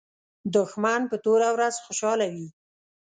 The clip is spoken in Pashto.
دښمن په توره ورځ خوشاله وي